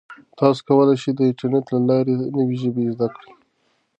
تاسو کولای شئ چې د انټرنیټ له لارې نوې ژبې زده کړئ.